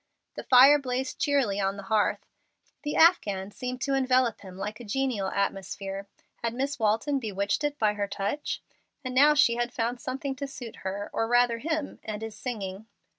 The fire blazed cheerily on the hearth. The afghan seemed to envelop him like a genial atmosphere. Had Miss Walton bewitched it by her touch? And now she has found something to suit her, or rather him, and is singing.